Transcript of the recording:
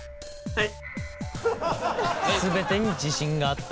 はい。